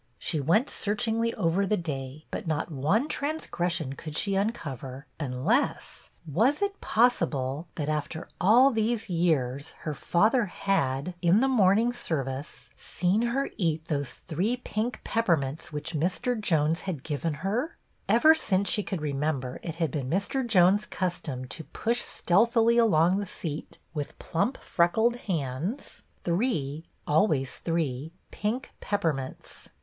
She went search ingly over the day; but not one transgression BETTY HEARS GREAT NEWS 5 could she uncover, unless — was it possible that, after all these years, her father had, in the morning service, seen her eat those three pink peppermints which Mr. Jones had given her ? Ever since she could remember, it had been Mr. Jones' custom to push stealthily along the seat, with plump freckled hands, three, always three, pink peppermints.